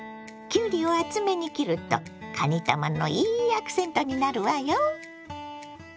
きゅうりを厚めに切るとかにたまのいいアクセントになるわよ。